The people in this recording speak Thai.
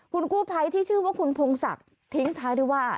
คุณกู้ภัยที่ชื่อว่าคุณพงศักดิ์ทิ้งท้ายด้วยว่า